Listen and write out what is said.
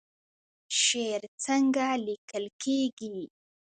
شعر څنګه لیکل کیږي؟